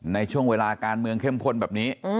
ในช่วงเวลาการเมืองเข้มข้นแบบนี้